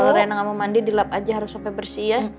kalau rena nggak mau mandi di lap aja harus sampai bersih ya